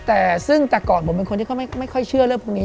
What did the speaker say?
แต่ซึ่งแต่ก่อนผมเป็นคนที่เขาไม่ค่อยเชื่อเรื่องพวกนี้